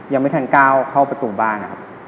ยังไม่ทันก้าวเข้าประตูบ้านนะครับ